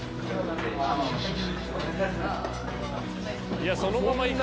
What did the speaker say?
いやそのままいく？